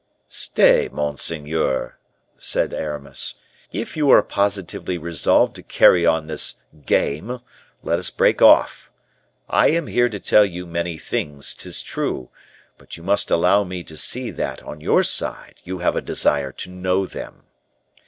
"Stay, monseigneur," said Aramis; "if you are positively resolved to carry on this game, let us break off. I am here to tell you many things, 'tis true; but you must allow me to see that, on your side, you have a desire to know them.